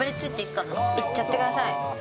いっちゃってください。